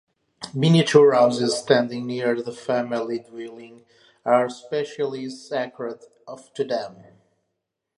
Miniature houses, standing near the family dwelling, are especially sacred to them.